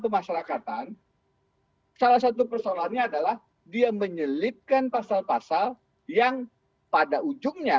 pemasarakatan salah satu persoalannya adalah dia menyelipkan pasal pasal yang pada ujungnya